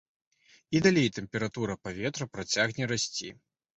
І далей тэмпература паветра працягне расці.